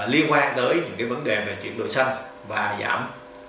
liên quan tới những cái vấn đề về chuyển đổi xanh và giảm